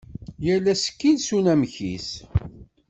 Yal asekkil s unamek-is.